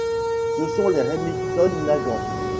Ce sont les Remington-Nagant.